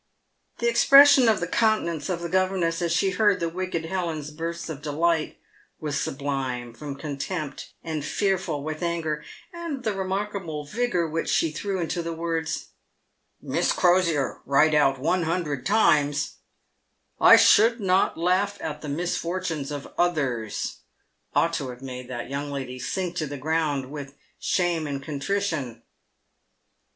The expression of the countenance of the governess, as she heard the wicked Helen's bursts of delight, was sublime from contempt and fearful with anger, and the remarkable vigour which she threw into the words, " Miss Crosier, write out one hundred times, * I should not laugh at the misfortunes of others,' " ought to have made that young lady sink to the ground with shame and contrition.